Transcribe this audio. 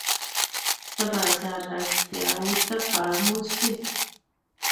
د بازار اړتیاوو ته باید پام وشي.